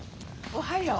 おはよう。